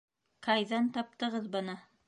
— Кайҙан таптығыҙ быны?